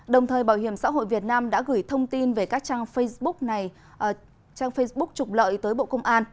đồng thời bảo hiểm xã hội việt nam đã gửi thông tin về các trang facebook trục lợi tới bộ công an